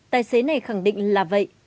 tài xế này khẳng định là vậy